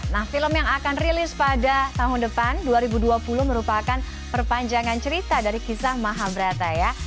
nah film yang akan rilis pada tahun depan dua ribu dua puluh merupakan perpanjangan cerita dari kisah mahabrata ya